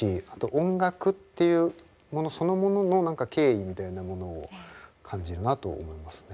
音楽っていうものそのものの何か敬意みたいなものを感じるなと思いますね。